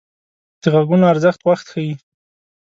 د غږونو ارزښت وخت ښيي